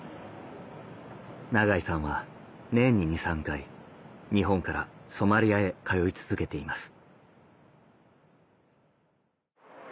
永井さんは年に２３回日本からソマリアへ通い続けています